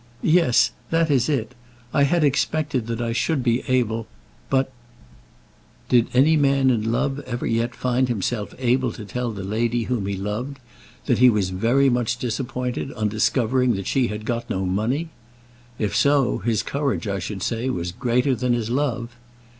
"Yes; that is it. I had expected that I should be able, but " Did any man in love ever yet find himself able to tell the lady whom he loved that he was very much disappointed on discovering that she had got no money? If so, his courage, I should say, was greater than his love.